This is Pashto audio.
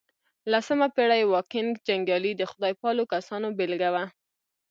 لسمه پېړۍ واکینګ جنګيالي د خدای پالو کسانو بېلګه وه.